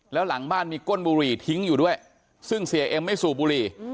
แล้วหลังบ้านมีก้นบุหรี่ทิ้งอยู่ด้วยซึ่งเสียเอ็มไม่สูบบุหรี่